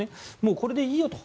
これでいいよと。